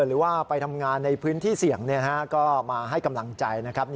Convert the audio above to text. หรือว่าไปทำงานในพื้นที่เสี่ยงก็มาให้กำลังใจนะครับ